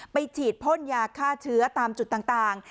ไปฉีดพ่นยาฆ่าเชื้อตามจุดต่าง